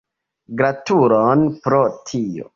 Gratulon pro tio!